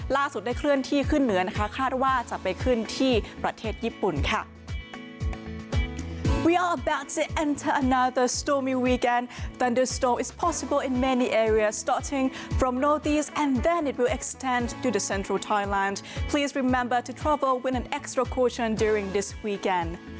ได้เคลื่อนที่ขึ้นเหนือนะคะคาดว่าจะไปขึ้นที่ประเทศญี่ปุ่นค่ะ